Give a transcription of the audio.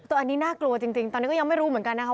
อันนี้น่ากลัวจริงตอนนี้ก็ยังไม่รู้เหมือนกันนะคะ